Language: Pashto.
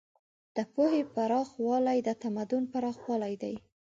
د پوهې پراخوالی د تمدن پراخوالی دی.